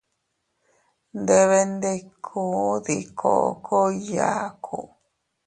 Nndeeebee nndikunn dii kookoy yaaku.